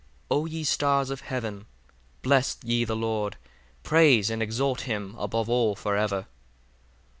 41 O ye stars of heaven, bless ye the Lord: praise and exalt him above all for ever.